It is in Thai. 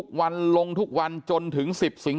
พี่สาวของเธอบอกว่ามันเกิดอะไรขึ้นกับพี่สาวของเธอ